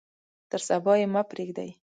تر صبا یې مه پریږدئ.